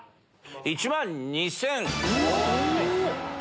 １万２０００円。